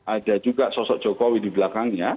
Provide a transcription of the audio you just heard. ada juga sosok jokowi di belakangnya